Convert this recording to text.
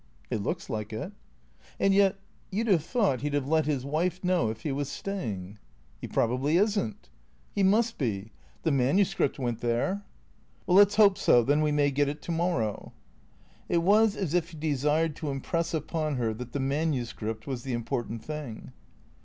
" It looks like it." " And yet — you 'd have thought he 'd have let his wife know if he was staying." " He probably is n't." " He must be. The manuscript went there." " Let 's hope so, then we may get it to morrow." It was as if he desired to impress upon her that the manu script was the important thing.